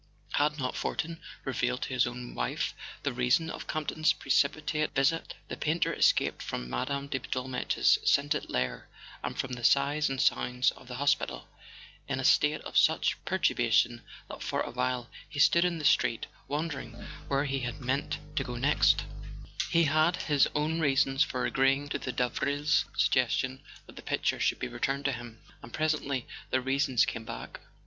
Had not Fortin revealed to his own wife the reason of Campton's precipitate visit ? The painter escaped from Mme. de Dolmetsch's scented lair, and from the sights and sounds of the hospital, in a state of such perturbation that for a while he stood in the street wondering where he had meant to go next. A SON AT THE FRONT He had his own reasons for agreeing to the Davrils' suggestion that the picture should be returned to him; and presently these reasons came back.